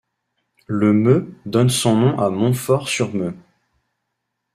Le Meu donne son nom à Montfort-sur-Meu.